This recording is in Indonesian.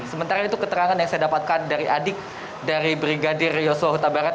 sementara itu keterangan yang saya dapatkan dari adik dari brigadir yosua huta barat